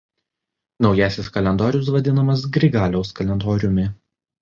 Naujasis kalendorius vadinamas Grigaliaus kalendoriumi.